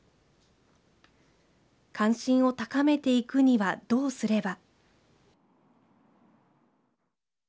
関心を高めていくにはどうすれば。